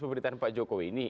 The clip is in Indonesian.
pemberitaan pak jokowi ini